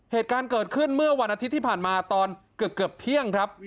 เหตุการณ์เกิดขึ้นเมื่อวันอาทิตย์ที่ผ่านมาตอนเกือบเที่ยงครับ